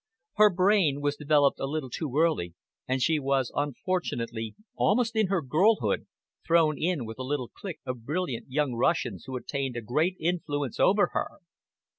Her brain was developed a little too early, and she was unfortunately, almost in her girlhood, thrown in with a little clique of brilliant young Russians who attained a great influence over her.